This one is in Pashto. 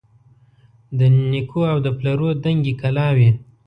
د نیکو او د پلرو دنګي کلاوي